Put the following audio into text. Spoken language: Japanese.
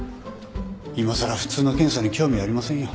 いまさら普通の検査に興味はありませんよ。